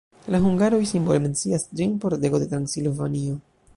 La hungaroj simbole mencias ĝin: "Pordego de Transilvanio".